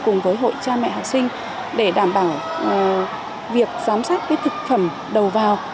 cùng với hội cha mẹ học sinh để đảm bảo việc giám sát thực phẩm đầu vào